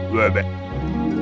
ini enak sekali